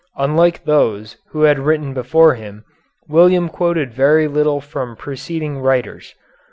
Unlike those who had written before him, William quoted very little from preceding writers.